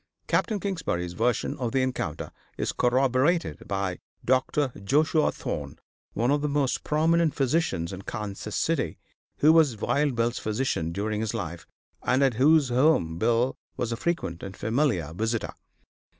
Capt. Kingsbury's version of the encounter is corroborated by Dr. Joshua Thorne, one of the most prominent physicians in Kansas City, who was Wild Bill's physician during his life, and at whose home Bill was a frequent and familiar visitor.